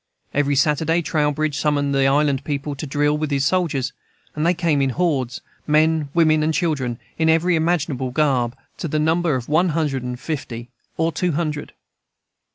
Every Saturday Trowbridge summoned the island people to drill with his soldiers; and they came in hordes, men, women, and children, in every imaginable garb, to the number of one hundred and fifty or two hundred.